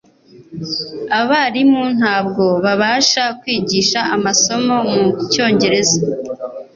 Abarimu ntabwo babasha kwigisha amasomo mu cyongereza